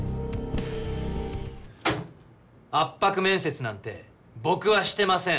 圧迫面接なんて僕はしてません！